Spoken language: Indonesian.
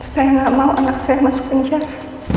saya nggak mau anak saya masuk penjara